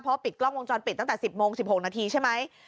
เพราะปิดกล้องวงจรปิดตั้งแต่๑๐โมง๑๖นาทีใช่ไหม